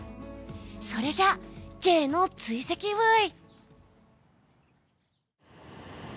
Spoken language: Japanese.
それじゃあ、Ｊの追跡ブイ。